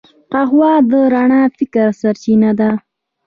قهوه د رڼا فکر سرچینه ده